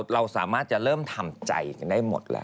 เราสามารถจะเริ่มทำใจกันได้หมดแล้ว